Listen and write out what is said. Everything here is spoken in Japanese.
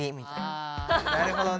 なるほどね。